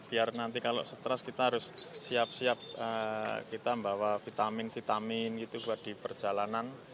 biar nanti kalau stres kita harus siap siap kita membawa vitamin vitamin gitu buat di perjalanan